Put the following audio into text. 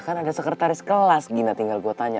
kan ada sekretaris kelas gina tinggal gue tanya